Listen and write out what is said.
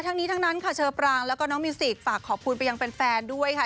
ทั้งนี้ทั้งนั้นค่ะเชอปรางแล้วก็น้องมิวสิกฝากขอบคุณไปยังแฟนด้วยค่ะ